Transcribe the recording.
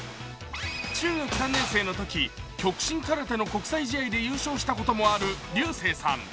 中学３年生のとき極真空手の国際試合で優勝したこともある流星さん。